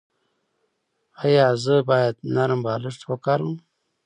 ایا زه باید نرم بالښت وکاروم؟